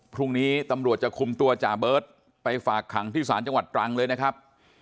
พรุ่งนี้ตำรวจจะคุมตัวจ่าเบิร์ตไปฝากขังที่ศาลจังหวัดตรังเลยนะครับ